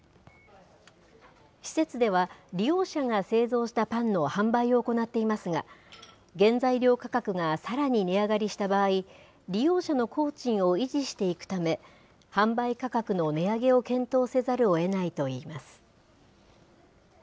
施設では、利用者が製造したパンの販売を行っていますが、原材料価格がさらに値上がりした場合、利用者の工賃を維持していくため、販売価格の値上げを検討せざるをえないといいます。